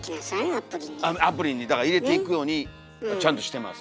アプリに入れていくようにちゃんとしてます。